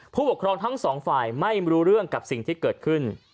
ผู้ปกครองทั้งสองฝ่ายไม่รู้เรื่องกับสิ่งที่เกิดขึ้น